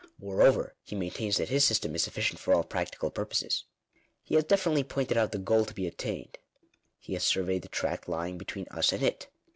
Moreover he maintains that his system is sufficient for all practical purposes. He has de finitely pointed out the goal to be attained. He has surveyed the tract lying between us and it.